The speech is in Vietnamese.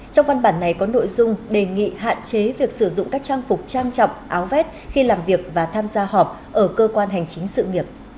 trong văn bản này có nội dung đề nghị hạn chế việc sử dụng các trang phục trang trọng áo vét khi làm việc và tham gia họp ở cơ quan hành chính sự nghiệp